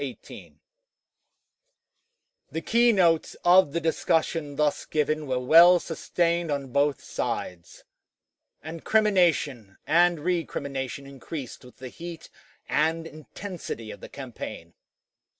] The key notes of the discussion thus given were well sustained on both sides, and crimination and recrimination increased with the heat and intensity of the campaign.